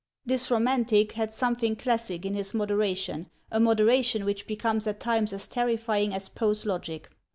This 'romantic' had something classic in his moderation, a moderation which becomes at times as terrifying as Poe's logic.